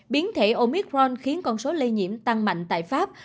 biến thể omicron khiến con số lây nhiễm tăng mạnh tại pháp